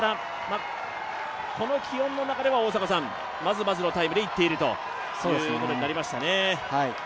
この気温の中ではまずまずのタイムでいっているということになりましたね。